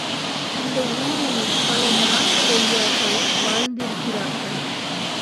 அந்த ஊரில் பல ஞானப் பெரியார்கள் வாழ்ந்திருக்கிறார்கள்.